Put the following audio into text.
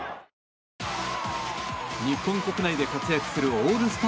日本国内で活躍するオールスター